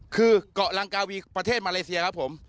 คือเกาะลังกาวีประเทศมาเลเซียครับผม